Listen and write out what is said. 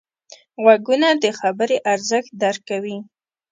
غوږونه د خبرې ارزښت درک کوي